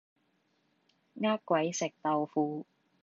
呃鬼食豆腐